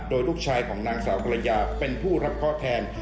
โดยลูกชายของนางสาวกรยาเป็นผู้รับเคาะแทน